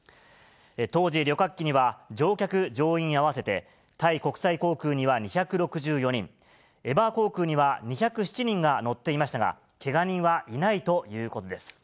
当時、旅客機には乗客・乗員合わせて、タイ国際航空には２６４人、エバー航空には２０７人が乗っていましたが、けが人はいないということです。